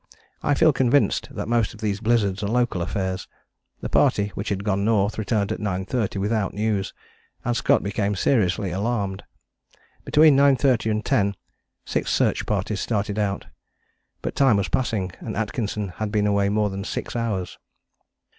I feel convinced that most of these blizzards are local affairs. The party which had gone north returned at 9.30 without news, and Scott became seriously alarmed. Between 9.30 and 10 six search parties started out. But time was passing and Atkinson had been away more than six hours.